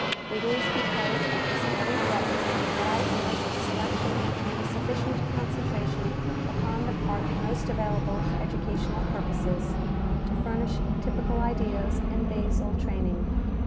It is because of this very breadth that I urge selection and a sufficient concentration upon the part most available for educa tional purposes, to furnish typical ideas and basal training.